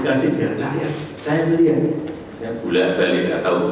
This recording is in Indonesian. dan saya juga enak